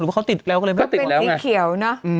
ก็ติดแล้วไงเป็นสีเขียวเนอะ